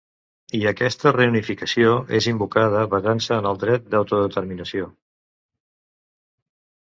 I aquesta reunificació és invocada basant-se en el dret d’autodeterminació.